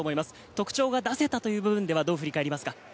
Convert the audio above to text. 特徴が出せたというのは、どう振り返りますか？